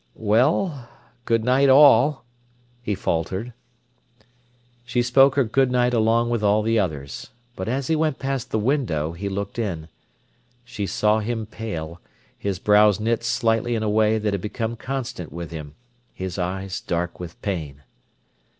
"Well—good night, all!" he faltered. She spoke her good night along with all the others. But as he went past the window he looked in. She saw him pale, his brows knit slightly in a way that had become constant with him, his eyes dark with pain.